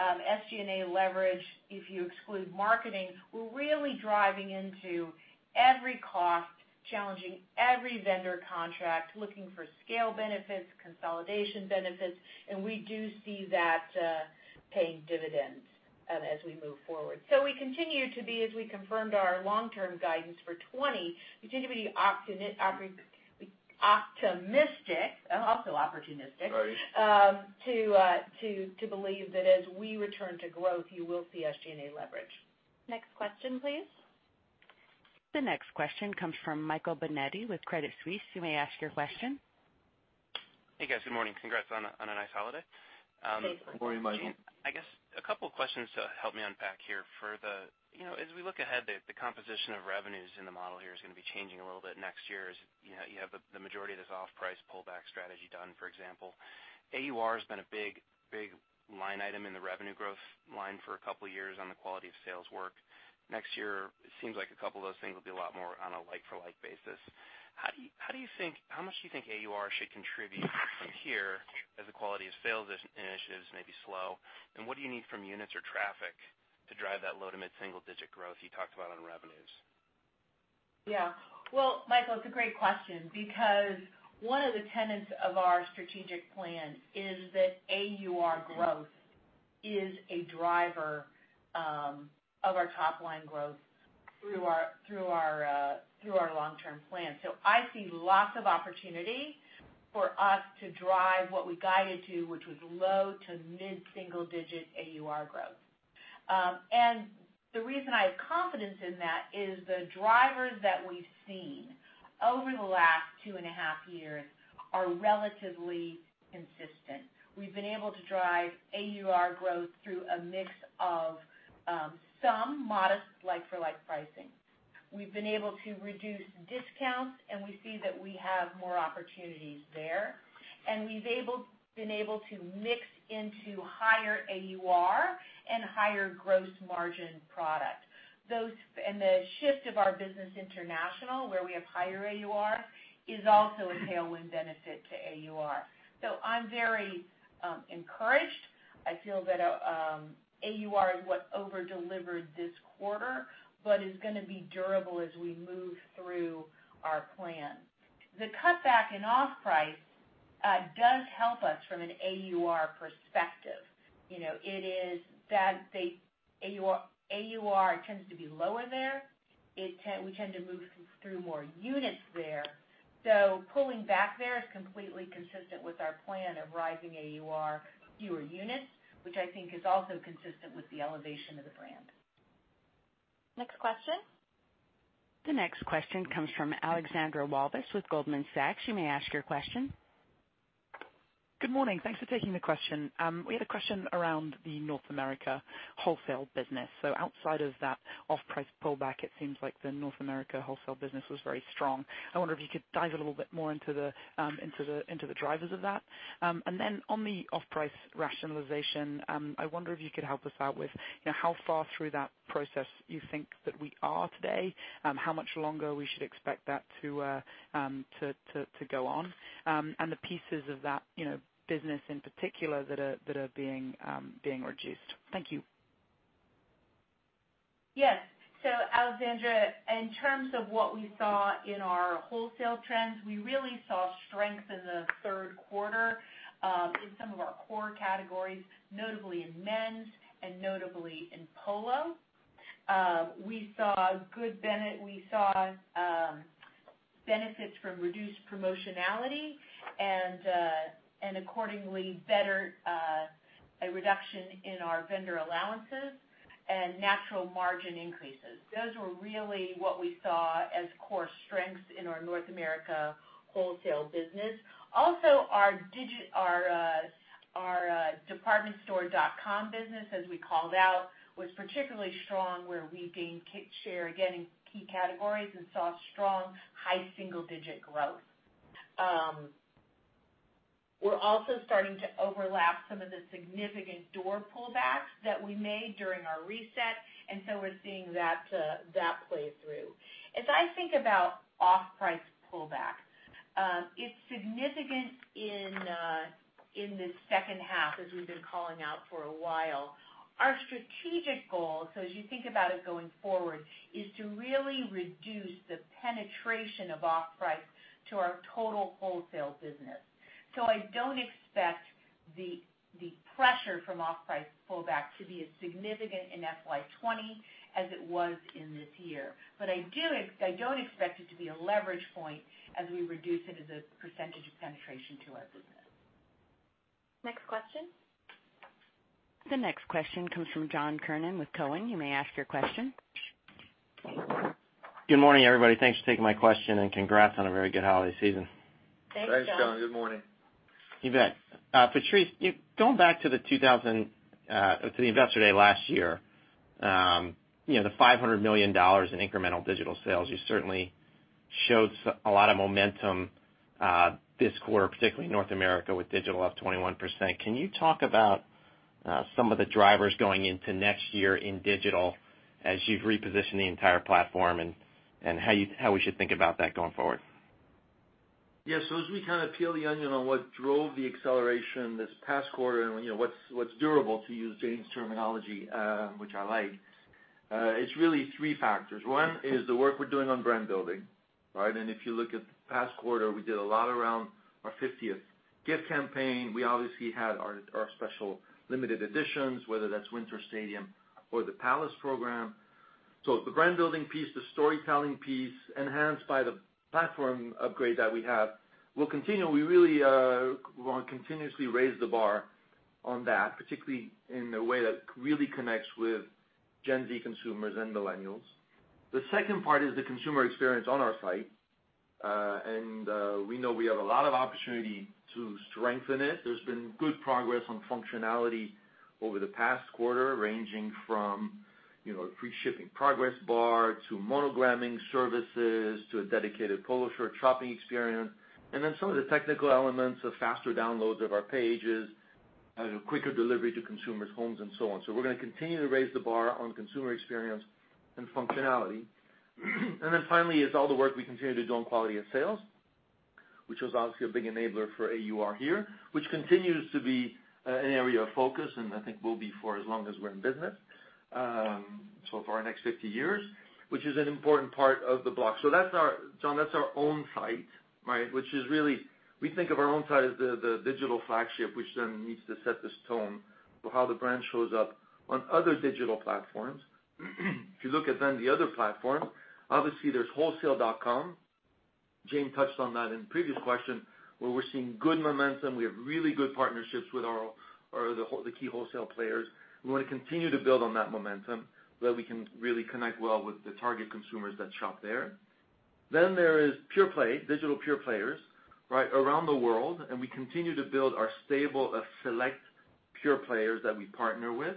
[SPEAKER 4] SG&A leverage if you exclude marketing. We're really driving into every cost, challenging every vendor contract, looking for scale benefits, consolidation benefits. We do see that paying dividends as we move forward. We continue to be, as we confirmed our long-term guidance for 2020, we continue to be optimistic and also opportunistic.
[SPEAKER 3] Right
[SPEAKER 4] To believe that as we return to growth, you will see SG&A leverage.
[SPEAKER 2] Next question, please.
[SPEAKER 1] The next question comes from Michael Binetti with Credit Suisse. You may ask your question.
[SPEAKER 6] Hey, guys. Good morning. Congrats on a nice holiday.
[SPEAKER 4] Thanks, Michael.
[SPEAKER 3] Good morning, Michael.
[SPEAKER 6] I guess a couple questions to help me unpack here. As we look ahead, the composition of revenues in the model here is going to be changing a little bit next year as you have the majority of this off-price pullback strategy done, for example. AUR has been a big line item in the revenue growth line for a couple of years on the quality of sales work. Next year, it seems like a couple of those things will be a lot more on a like-for-like basis. How much do you think AUR should contribute from here as the quality of sales initiatives may be slow? What do you need from units or traffic to drive that low to mid-single digit growth you talked about on revenues?
[SPEAKER 4] Well, Michael, it's a great question because one of the tenets of our strategic plan is that AUR growth is a driver of our top-line growth through our long-term plan. I see lots of opportunity for us to drive what we guided to, which was low to mid-single digit AUR growth. The reason I have confidence in that is the drivers that we've seen over the last 2.5 years are relatively consistent. We've been able to drive AUR growth through a mix of some modest like-for-like pricing. We've been able to reduce discounts, and we see that we have more opportunities there, and we've been able to mix into higher AUR and higher gross margin product. The shift of our business international, where we have higher AUR, is also a tailwind benefit to AUR. I'm very encouraged. I feel that AUR is what over-delivered this quarter, but is going to be durable as we move through our plan. The cutback in off price does help us from an AUR perspective. AUR tends to be lower there. We tend to move through more units there. Pulling back there is completely consistent with our plan of rising AUR, fewer units, which I think is also consistent with the elevation of the brand.
[SPEAKER 2] Next question.
[SPEAKER 1] The next question comes from Alexandra Walvis with Goldman Sachs. You may ask your question.
[SPEAKER 7] Good morning. Thanks for taking the question. We had a question around the North America wholesale business. Outside of that off-price pullback, it seems like the North America wholesale business was very strong. I wonder if you could dive a little bit more into the drivers of that. On the off-price rationalization, I wonder if you could help us out with how far through that process you think that we are today, how much longer we should expect that to go on, and the pieces of that business in particular that are being reduced. Thank you.
[SPEAKER 4] Yes. Alexandra, in terms of what we saw in our wholesale trends, we really saw strength in the third quarter in some of our core categories, notably in men's and notably in Polo. We saw benefits from reduced promotionality and accordingly, a reduction in our vendor allowances and natural margin increases. Those were really what we saw as core strengths in our North America wholesale business. Also, our department store dot-com business, as we called out, was particularly strong where we gained share again in key categories and saw strong high single-digit growth. We're also starting to overlap some of the significant door pullbacks that we made during our reset, we're seeing that play through. As I think about off-price pullback, it's significant in the second half as we've been calling out for a while. Our strategic goal, as you think about it going forward, is to really reduce the penetration of off-price to our total wholesale business. The pressure from off-price pullback to be as significant in FY 2020 as it was in this year. I don't expect it to be a leverage point as we reduce it as a percentage of penetration to our business.
[SPEAKER 2] Next question.
[SPEAKER 1] The next question comes from John Kernan with Cowen. You may ask your question.
[SPEAKER 8] Good morning, everybody. Thanks for taking my question, and congrats on a very good holiday season.
[SPEAKER 4] Thanks, John.
[SPEAKER 3] Thanks, John. Good morning.
[SPEAKER 8] You bet. Patrice, going back to the investor day last year, the $500 million in incremental digital sales, you certainly showed a lot of momentum, this quarter, particularly in North America with digital up 21%. Can you talk about some of the drivers going into next year in digital as you've repositioned the entire platform and how we should think about that going forward?
[SPEAKER 3] As we peel the onion on what drove the acceleration this past quarter and what's durable, to use Jane Nielsen's terminology, which I like, it's really three factors. One is the work we're doing on brand building. If you look at the past quarter, we did a lot around our 50th gift campaign. We obviously had our special limited editions, whether that's Winter Stadium or the Palace program. The brand-building piece, the storytelling piece, enhanced by the platform upgrade that we have, will continue. We really want to continuously raise the bar on that, particularly in a way that really connects with Gen Z consumers and millennials. The second part is the consumer experience on our site. We know we have a lot of opportunity to strengthen it. There's been good progress on functionality over the past quarter, ranging from a free shipping progress bar to monogramming services, to a dedicated Polo shirt shopping experience, and some of the technical elements of faster downloads of our pages, quicker delivery to consumers' homes, and so on. We're going to continue to raise the bar on consumer experience and functionality. Finally, is all the work we continue to do on quality of sales, which was obviously a big enabler for AUR here, which continues to be an area of focus, and I think will be for as long as we're in business. For our next 50 years, which is an important part of the block. John Kernan, that's our own site, which is really, we think of our own site as the digital flagship, which needs to set this tone for how the brand shows up on other digital platforms. If you look at the other platform, obviously there's wholesale.com. Jane Nielsen touched on that in the previous question, where we're seeing good momentum. We have really good partnerships with the key wholesale players. We want to continue to build on that momentum where we can really connect well with the target consumers that shop there. There is pure-play, digital pure players around the world, and we continue to build our stable of select pure players that we partner with.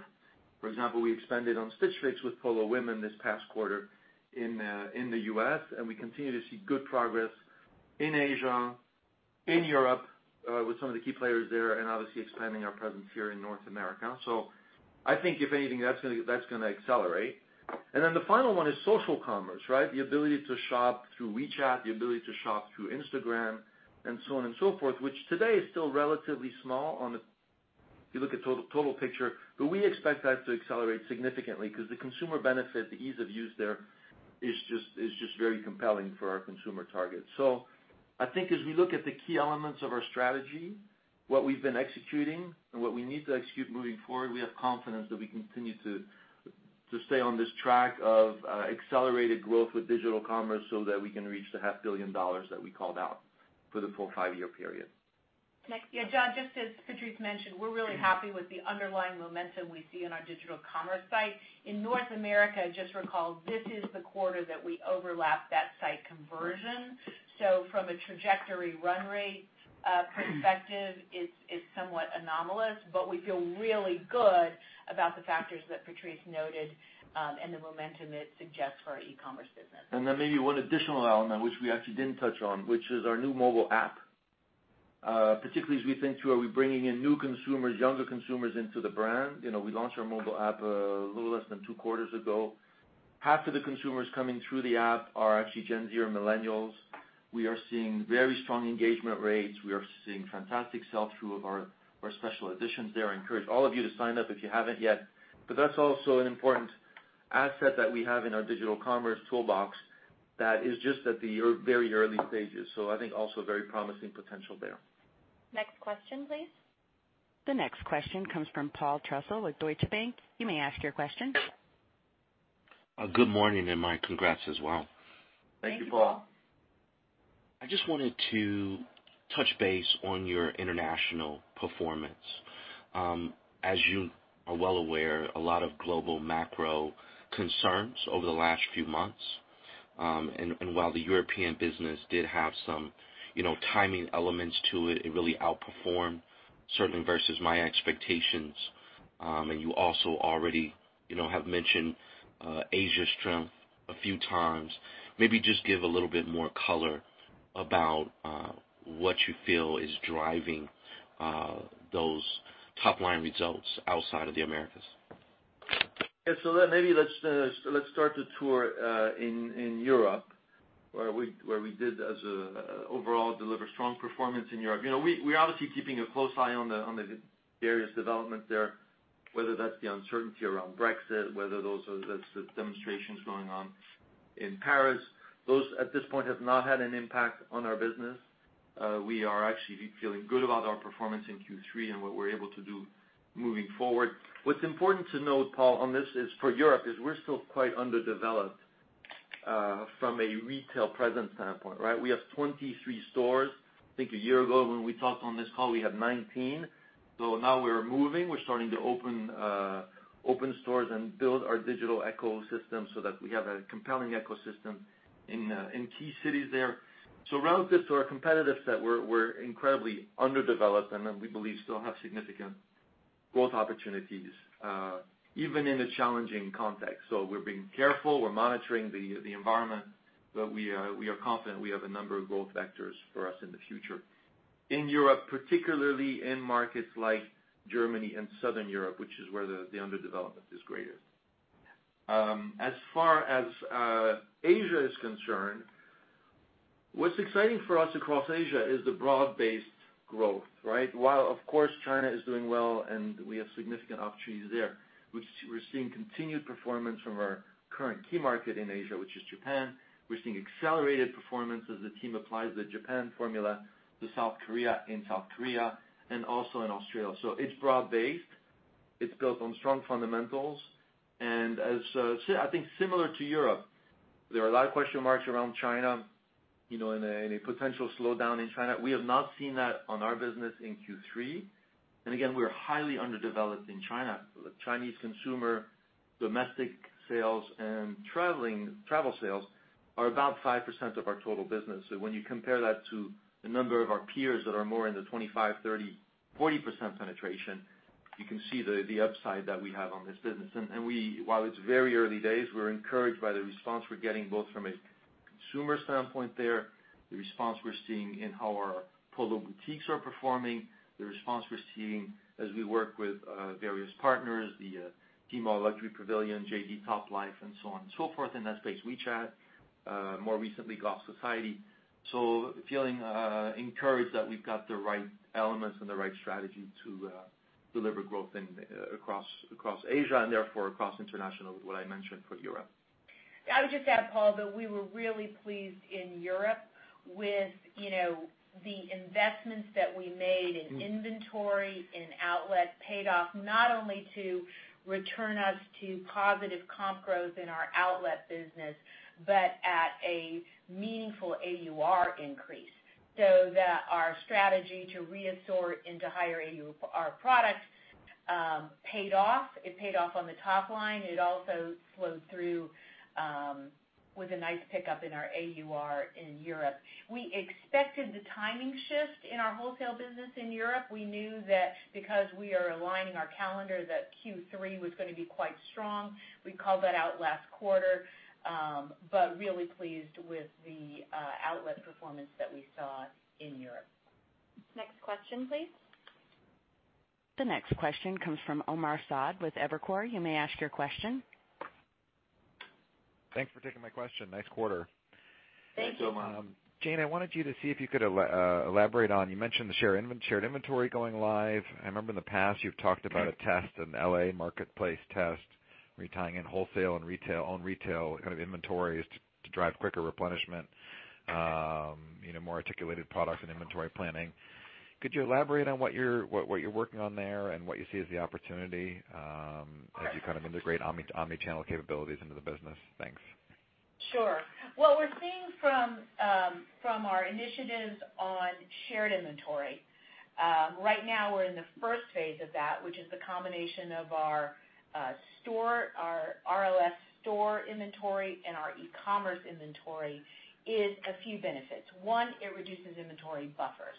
[SPEAKER 3] For example, we expanded on Stitch Fix with Polo women this past quarter in the U.S., and we continue to see good progress in Asia, in Europe, with some of the key players there, and obviously expanding our presence here in North America. I think if anything, that's going to accelerate. The final one is social commerce. The ability to shop through WeChat, the ability to shop through Instagram, and so on and so forth, which today is still relatively small if you look at total picture. We expect that to accelerate significantly because the consumer benefit, the ease of use there is just very compelling for our consumer target. I think as we look at the key elements of our strategy, what we've been executing and what we need to execute moving forward, we have confidence that we continue to stay on this track of accelerated growth with digital commerce that we can reach the $500 million dollars that we called out for the full five-year period.
[SPEAKER 4] Yeah, John, just as Patrice mentioned, we're really happy with the underlying momentum we see on our digital commerce site. In North America, just recall, this is the quarter that we overlapped that site conversion. From a trajectory run rate perspective, it's somewhat anomalous, but we feel really good about the factors that Patrice noted, and the momentum it suggests for our e-commerce business.
[SPEAKER 3] Maybe one additional element which we actually didn't touch on, which is our new mobile app. Particularly as we think through, are we bringing in new consumers, younger consumers into the brand? We launched our mobile app a little less than two quarters ago. Half of the consumers coming through the app are actually Gen Z or millennials. We are seeing very strong engagement rates. We are seeing fantastic sell-through of our special editions there. I encourage all of you to sign up if you haven't yet. That's also an important asset that we have in our digital commerce toolbox that is just at the very early stages. I think also very promising potential there.
[SPEAKER 2] Next question, please.
[SPEAKER 1] The next question comes from Paul Trussell with Deutsche Bank. You may ask your question.
[SPEAKER 9] Good morning, my congrats as well.
[SPEAKER 4] Thank you, Paul.
[SPEAKER 3] Thank you, Paul.
[SPEAKER 9] I just wanted to touch base on your international performance. As you are well aware, a lot of global macro concerns over the last few months. While the European business did have some timing elements to it really outperformed certainly versus my expectations. You also already have mentioned Asia's strength a few times. Maybe just give a little bit more color about what you feel is driving those top-line results outside of the Americas.
[SPEAKER 3] Yeah. Maybe let's start the tour in Europe, where we did as overall deliver strong performance in Europe. We're obviously keeping a close eye on the various developments there. Whether that's the uncertainty around Brexit, whether those are the demonstrations going on in Paris. Those at this point have not had an impact on our business. We are actually feeling good about our performance in Q3 and what we're able to do moving forward. What's important to note, Paul, on this is for Europe is we're still quite underdeveloped from a retail presence standpoint, right? We have 23 stores. I think a year ago when we talked on this call, we had 19. Now we're moving. We're starting to open stores and build our digital ecosystem so that we have a compelling ecosystem in key cities there. Relative to our competitive set, we're incredibly underdeveloped, and we believe still have significant growth opportunities, even in a challenging context. We're being careful. We're monitoring the environment, but we are confident we have a number of growth vectors for us in the future. In Europe, particularly in markets like Germany and Southern Europe, which is where the underdevelopment is greatest. As far as Asia is concerned, what's exciting for us across Asia is the broad-based growth, right? While of course China is doing well and we have significant opportunities there, we're seeing continued performance from our current key market in Asia, which is Japan. We're seeing accelerated performance as the team applies the Japan formula to South Korea, in South Korea, and also in Australia. It's broad based. It's built on strong fundamentals. I think similar to Europe, there are a lot of question marks around China, and a potential slowdown in China. We have not seen that on our business in Q3. Again, we are highly underdeveloped in China. The Chinese consumer domestic sales and travel sales are about 5% of our total business. When you compare that to the number of our peers that are more in the 25%, 30%, 40% penetration, you can see the upside that we have on this business. While it's very early days, we're encouraged by the response we're getting both from a consumer standpoint there, the response we're seeing in how our Polo boutiques are performing, the response we're seeing as we work with various partners, the Tmall Luxury Pavilion, JD Toplife, and so on and so forth in that space. WeChat, more recently, Golf Society. Feeling encouraged that we've got the right elements and the right strategy to deliver growth across Asia and therefore across international with what I mentioned for Europe.
[SPEAKER 4] I would just add, Paul, that we were really pleased in Europe with the investments that we made in inventory, in outlet paid off not only to return us to positive comp growth in our outlet business, but at a meaningful AUR increase, so that our strategy to reabsorb into higher AUR products paid off. It paid off on the top line. It also flowed through with a nice pickup in our AUR in Europe. We expected the timing shift in our wholesale business in Europe. We knew that because we are aligning our calendar, that Q3 was going to be quite strong. We called that out last quarter. Really pleased with the outlet performance that we saw in Europe.
[SPEAKER 2] Next question, please.
[SPEAKER 1] The next question comes from Omar Saad with Evercore. You may ask your question.
[SPEAKER 10] Thanks for taking my question. Nice quarter.
[SPEAKER 4] Thank you.
[SPEAKER 3] Thanks, Omar.
[SPEAKER 10] Jane, I wanted to see if you could elaborate on, you mentioned the shared inventory going live. I remember in the past you've talked about a test, an L.A. marketplace test, where you're tying in wholesale and own retail inventories to drive quicker replenishment, more articulated products and inventory planning. Could you elaborate on what you're working on there and what you see as the opportunity as you integrate omnichannel capabilities into the business? Thanks.
[SPEAKER 4] Sure. What we're seeing from our initiatives on shared inventory. Right now we're in the first phase of that, which is the combination of our RLS store inventory and our e-commerce inventory is a few benefits. One, it reduces inventory buffers.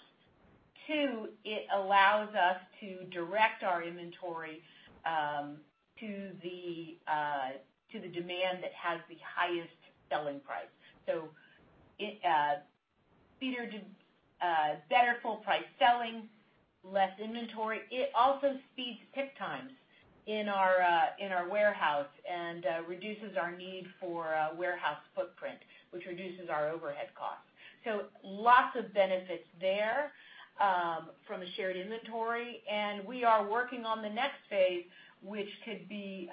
[SPEAKER 4] Two, it allows us to direct our inventory to the demand that has the highest selling price. Better full price selling, less inventory. It also speeds pick times in our warehouse and reduces our need for warehouse footprint, which reduces our overhead costs. Lots of benefits there from a shared inventory, and we are working on the next phase, which could be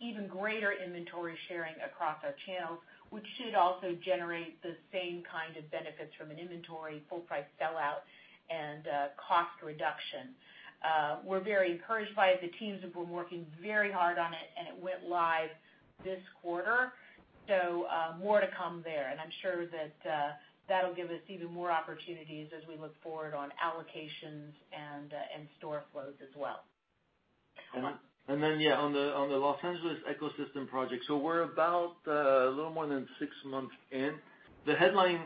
[SPEAKER 4] even greater inventory sharing across our channels, which should also generate the same kind of benefits from an inventory full price sellout and cost reduction. We're very encouraged by it. The teams have been working very hard on it, and it went live this quarter. More to come there. I'm sure that'll give us even more opportunities as we look forward on allocations and store flows as well.
[SPEAKER 3] On the L.A. Ecosystem Project. We're about a little more than six months in. The headline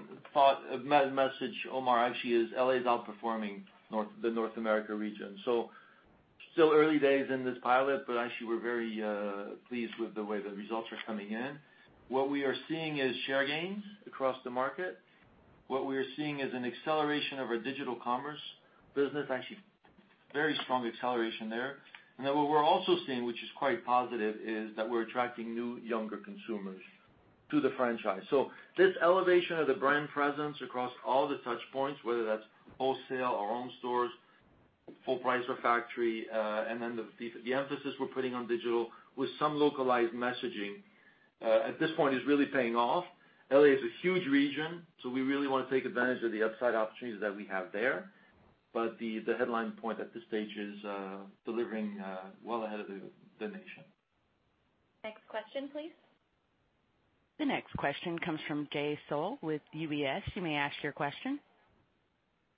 [SPEAKER 3] message, Omar, actually, is L.A. is outperforming the North America region. Still early days in this pilot, but actually we're very pleased with the way the results are coming in. What we are seeing is share gains across the market. What we are seeing is an acceleration of our digital commerce business. Actually, very strong acceleration there. What we're also seeing, which is quite positive, is that we're attracting new, younger consumers to the franchise. This elevation of the brand presence across all the touch points, whether that's wholesale or own stores, full price or factory, and then the emphasis we're putting on digital with some localized messaging, at this point is really paying off. L.A. is a huge region, so we really want to take advantage of the upside opportunities that we have there. The headline point at this stage is delivering well ahead of the nation.
[SPEAKER 2] Next question please.
[SPEAKER 1] The next question comes from Jay Sole with UBS. You may ask your question.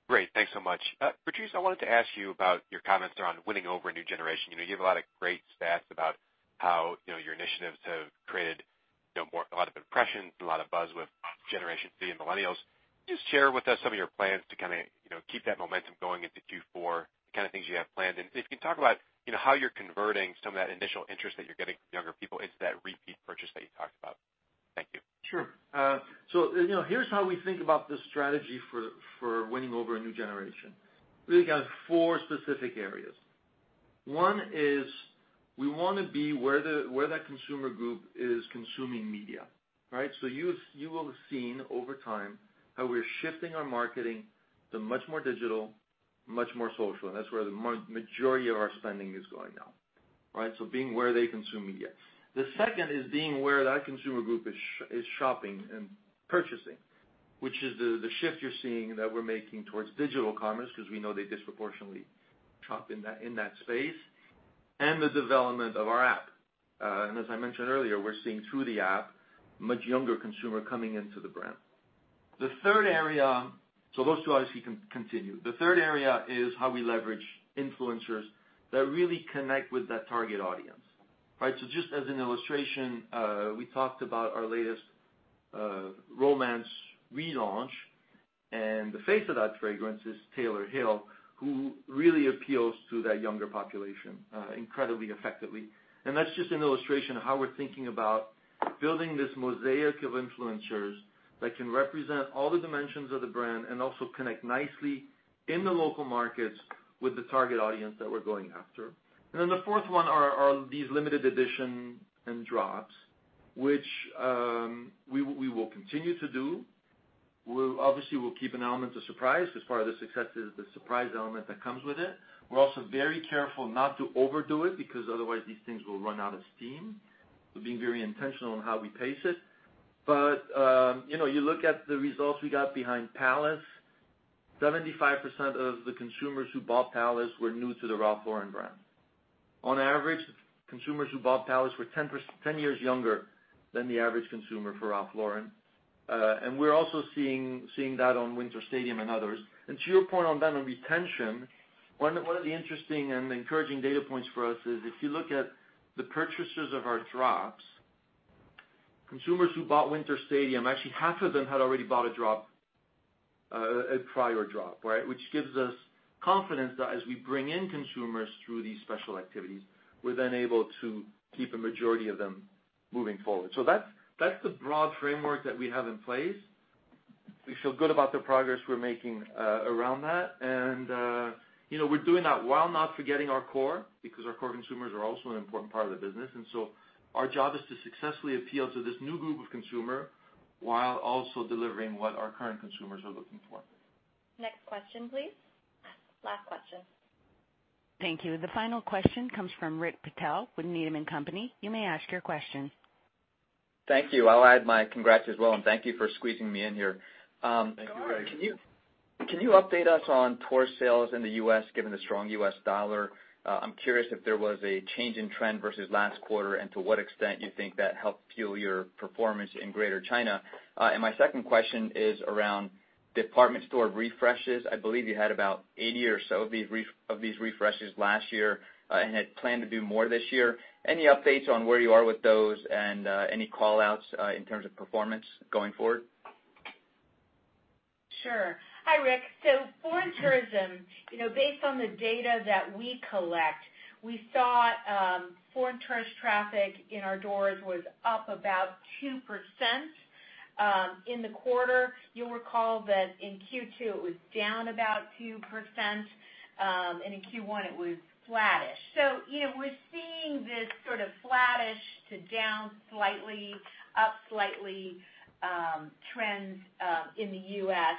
[SPEAKER 11] Great. Thanks so much. Patrice, I wanted to ask you about your comments around winning over a new generation. You gave a lot of great stats about how your initiatives have created a lot of impressions and a lot of buzz with Generation Z and millennials. Can you just share with us some of your plans to keep that momentum going into Q4, the kind of things you have planned? If you can talk about how you're converting some of that initial interest that you're getting from younger people into that repeat purchase that you talked about. Thank you.
[SPEAKER 3] Sure. Here's how we think about the strategy for winning over a new generation. We look at four specific areas. One is we want to be where that consumer group is consuming media. Right? You will have seen over time how we're shifting our marketing to much more digital, much more social, and that's where the majority of our spending is going now. Right? Being where they consume media. The second is being where that consumer group is shopping and purchasing, which is the shift you're seeing that we're making towards digital commerce, because we know they disproportionately shop in that space, and the development of our app. As I mentioned earlier, we're seeing through the app much younger consumer coming into the brand. Those two obviously continue. The third area is how we leverage influencers that really connect with that target audience. Right. Just as an illustration, we talked about our latest Romance relaunch, and the face of that fragrance is Taylor Hill, who really appeals to that younger population incredibly effectively. That's just an illustration of how we're thinking about building this mosaic of influencers that can represent all the dimensions of the brand and also connect nicely in the local markets with the target audience that we're going after. The fourth one are these limited edition and drops, which we will continue to do. We obviously will keep an element of surprise, as part of the success is the surprise element that comes with it. We're also very careful not to overdo it, because otherwise these things will run out of steam. We're being very intentional on how we pace it. You look at the results we got behind Palace, 75% of the consumers who bought Palace were new to the Ralph Lauren brand. On average, consumers who bought Palace were 10 years younger than the average consumer for Ralph Lauren. We're also seeing that on Winter Stadium and others. To your point on them, on retention, one of the interesting and encouraging data points for us is if you look at the purchasers of our drops, consumers who bought Winter Stadium, actually half of them had already bought a prior drop, right. Which gives us confidence that as we bring in consumers through these special activities, we're then able to keep a majority of them moving forward. That's the broad framework that we have in place. We feel good about the progress we're making around that, we're doing that while not forgetting our core, because our core consumers are also an important part of the business. Our job is to successfully appeal to this new group of consumer while also delivering what our current consumers are looking for.
[SPEAKER 2] Next question, please. Last question.
[SPEAKER 1] Thank you. The final question comes from Rick Patel with Needham & Company. You may ask your question.
[SPEAKER 12] Thank you. I'll add my congrats as well. Thank you for squeezing me in here.
[SPEAKER 3] Thank you, Rick.
[SPEAKER 12] Can you update us on tour sales in the U.S., given the strong US dollar? I'm curious if there was a change in trend versus last quarter, and to what extent you think that helped fuel your performance in Greater China. My second question is around department store refreshes. I believe you had about 80 store refreshes or so of these refreshes last year and had planned to do more this year. Any updates on where you are with those and any call-outs in terms of performance going forward?
[SPEAKER 4] Sure. Hi, Rick. Foreign tourism, based on the data that we collect, we saw foreign tourist traffic in our doors was up about 2% in the quarter. You'll recall that in Q2, it was down about 2%, and in Q1, it was flattish. We're seeing this sort of flattish to down slightly, up slightly trends in the U.S.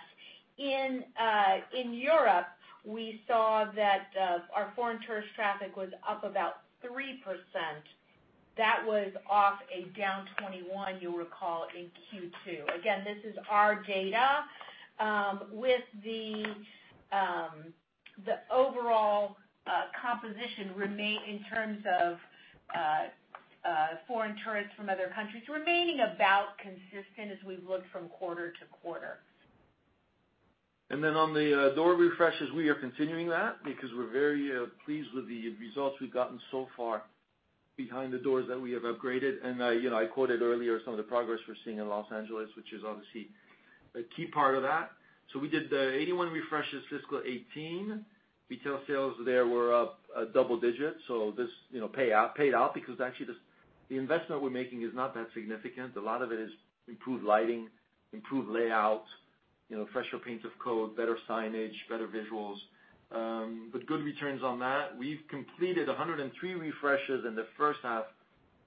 [SPEAKER 4] In Europe, we saw that our foreign tourist traffic was up about 3%. That was off a down 21%, you'll recall, in Q2. Again, this is our data, with the overall composition in terms of foreign tourists from other countries remaining about consistent as we've looked from quarter to quarter.
[SPEAKER 3] On the door refreshes, we are continuing that because we're very pleased with the results we've gotten so far behind the doors that we have upgraded. I quoted earlier some of the progress we're seeing in Los Angeles, which is obviously a key part of that. We did the 81 refreshes FY 2018. Retail sales there were up double digits. This paid out because actually the investment we're making is not that significant. A lot of it is improved lighting, improved layout, fresher coats of paint, better signage, better visuals. Good returns on that. We've completed 103 refreshes in the first half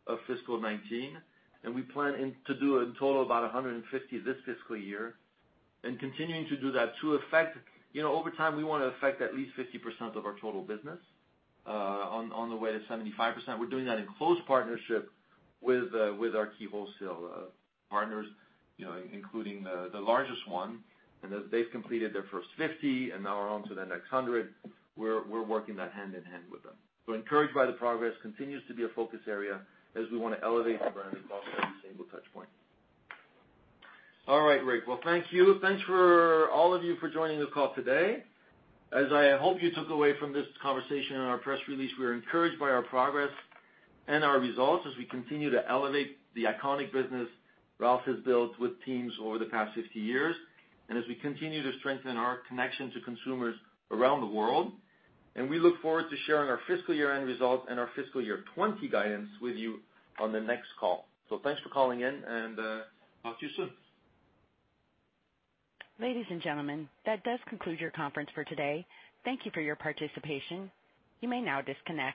[SPEAKER 3] of FY 2019, and we plan to do in total about 150 refreshes this fiscal year, and continuing to do that to effect. Over time, we want to effect at least 50% of our total business on the way to 75%. We're doing that in close partnership with our key wholesale partners, including the largest one. They've completed their first 50 refreshes, and now we're on to the next 100 refreshes. We're working that hand in hand with them. Encouraged by the progress. It continues to be a focus area as we want to elevate the brand across every single touch point. All right, Rick. Well, thank you. Thanks for all of you for joining this call today. As I hope you took away from this conversation in our press release, we are encouraged by our progress and our results as we continue to elevate the iconic business Ralph has built with teams over the past 50 years, and as we continue to strengthen our connection to consumers around the world. We look forward to sharing our fiscal year-end results and our FY 2020 guidance with you on the next call. Thanks for calling in, and talk to you soon.
[SPEAKER 1] Ladies and gentlemen, that does conclude your conference for today. Thank you for your participation. You may now disconnect.